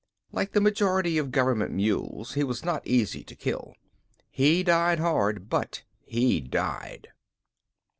Like the majority of Government mules he was not easy to kill. He died hard, but he died.